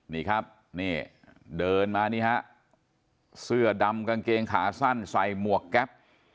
นี่ครับนี่เดินมานี่ฮะเสื้อดำกางเกงขาสั้นใส่หมวกแก๊ป